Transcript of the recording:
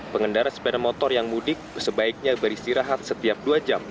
pengendara sepeda motor yang mudik sebaiknya beristirahat setiap dua jam